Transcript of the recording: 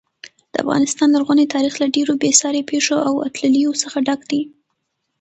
د افغانستان لرغونی تاریخ له ډېرو بې ساري پیښو او اتلولیو څخه ډک دی.